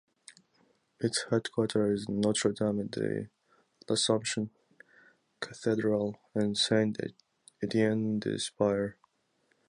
Its headquarter is the Notre-Dame-de-l'Assomption cathedral and Saint-Étienne de Spire.